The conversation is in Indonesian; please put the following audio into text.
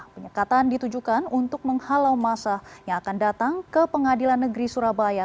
penyekatan ditujukan untuk menghalau masa yang akan datang ke pengadilan negeri surabaya